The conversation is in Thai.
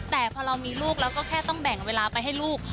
แต่พอเรามีลูกเราก็แค่ต้องแบ่งเวลาไปให้ลูก